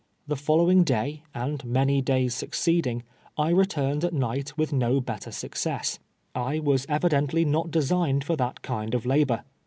The following day, and many days succeeding, I re turned at uitcht with no better success — I was evi LASHES GRADUATED. 179 dently not designed for tliat kind of labor.